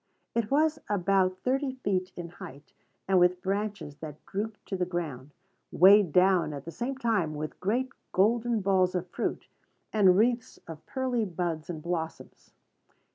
It was about thirty feet in height, and with branches that drooped to the ground, weighed down at the same time with great golden balls of fruit, and wreaths of pearly buds and blossoms.